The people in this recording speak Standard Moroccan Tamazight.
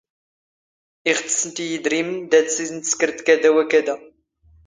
ⵉⵖ ⵜⵙⵙⵏⴷ ⵉ ⵉⴷⵔⵉⵎⵏ ⴷⴰⴷ ⵙⵉⵙⵏ ⵜⵙⴽⵔⴷ ⴽⴰⴷⴰ ⵡⴰⴽⴰⴷⴰ.